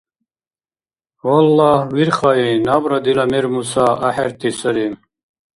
Валлагь, вирхаи, набра дила мер-муса ахӀерти сари.